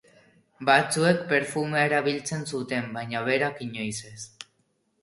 Batzuek perfumea erabiltzen zuten, baina berak inoiz ez.